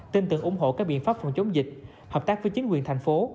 tin tưởng ủng hộ các biện pháp phòng chống dịch hợp tác với chính quyền thành phố